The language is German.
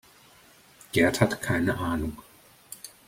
Gerd hat keine Ahnung.